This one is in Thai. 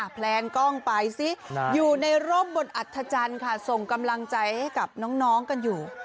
แพลนกล้องไปซิอยู่ในร่มบนอัธจันทร์ค่ะส่งกำลังใจให้กับน้องกันอยู่